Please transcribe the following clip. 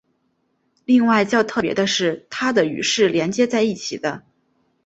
另外较特别的是它的与是连接在一起的。